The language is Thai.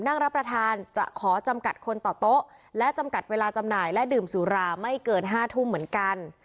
นั่งรับประทานจะขอจำกัดคนต่อโต๊ะและจำกัดเวลาจำหน่ายและดื่มสุราไม่เกิน๕ทุ่มเหมือนกัน